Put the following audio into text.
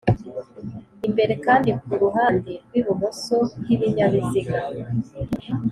imbere kandi ku ruhande rw'ibumoso h'ibinyabiziga